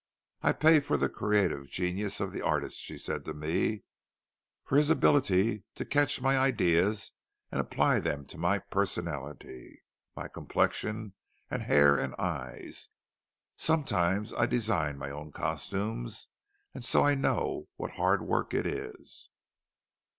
'I pay for the creative genius of the artist,' she said to me—'for his ability to catch my ideas and apply them to my personality—my complexion and hair and eyes. Sometimes I design my own costumes, and so I know what hard work it is!